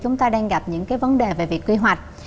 chúng ta đang gặp những cái vấn đề về việc quy hoạch